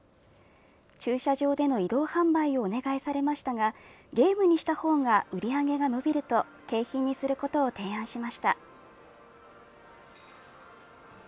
駐車場での移動販売をお願いされましたがゲームにしたほうが売り上げが伸びると景品にすることを提案しました。